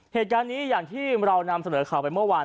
เหตุการณ์นี้อย่างที่เรานำเสนอข่าวไปเมื่อวาน